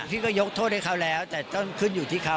พี่ก็ยกโทษให้เขาแล้วแต่ต้องขึ้นอยู่ที่เขา